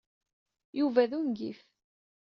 Yuba d ungif.